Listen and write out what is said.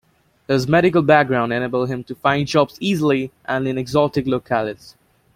His medical background enabled him to find jobs easily and in exotic locales.